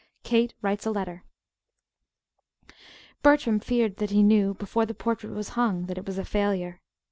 KATE WRITES A LETTER Bertram feared that he knew, before the portrait was hung, that it was a failure.